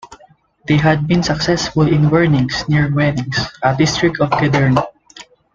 They had been successful in Wernings near Wenings, a district of Gedern.